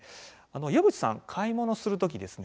岩渕さん、買い物するときですね